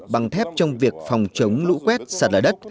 bằng thép trong việc phòng chống lũ quét sạt lở đất